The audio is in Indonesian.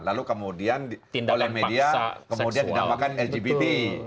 lalu kemudian oleh media kemudian dinamakan lgbt